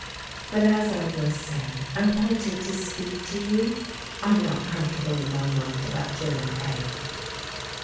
But as I was saying, I wanted to speak to you. I'm not comfortable in my mind about Jim and Peg."